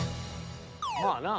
まあな